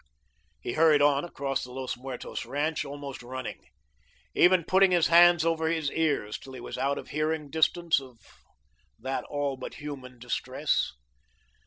He hurried on across the Los Muertos ranch, almost running, even putting his hands over his ears till he was out of hearing distance of that all but human distress.